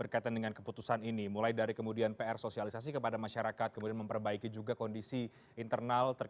karena kan sebagian daripada yang common sense